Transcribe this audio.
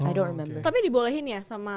i don't remember tapi dibolehin ya sama